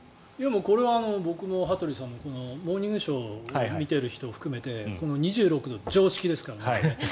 これは僕も羽鳥さんも「モーニングショー」を見ている人を含めて２６度って常識ですからね。